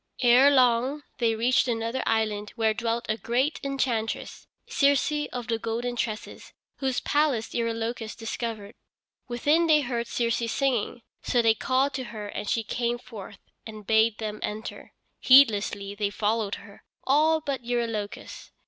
Ere long they reached another island, where dwelt a great enchantress, Circe of the golden tresses, whose palace Eurylochus discovered. Within they heard Circe singing, so they called to her and she came forth and bade them enter. Heedlessly they followed her, all but Eurylochus.